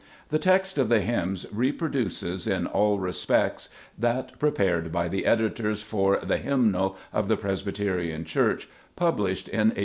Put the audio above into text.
The text of the hymns reproduces in all respects lpreface* that prepared by the editor for "The Hymnal" of the Presbyterian Church, published in 1895.